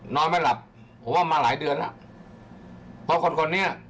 นอนไม่หลับผมว่ามาหลายเดือนแล้วเพราะคนคนนี้